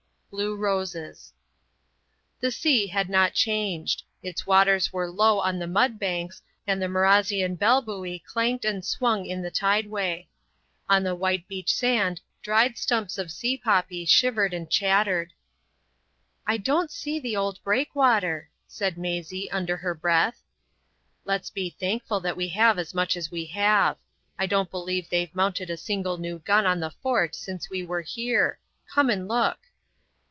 —Blue Roses. The sea had not changed. Its waters were low on the mud banks, and the Marazion Bell buoy clanked and swung in the tide way. On the white beach sand dried stumps of sea poppy shivered and chattered. "I don't see the old breakwater," said Maisie, under her breath. "Let's be thankful that we have as much as we have. I don't believe they've mounted a single new gun on the fort since we were here. Come and look."